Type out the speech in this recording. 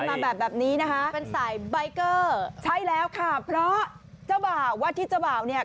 มาแบบแบบนี้นะคะเป็นสายใบเกอร์ใช่แล้วค่ะเพราะเจ้าบ่าวว่าที่เจ้าบ่าวเนี่ย